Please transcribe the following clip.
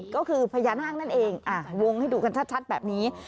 ก็คือพญานาคนั่นเองวงให้ดูกันชัดแบบนี้